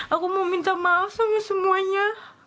aku mau minta maaf sama semuanya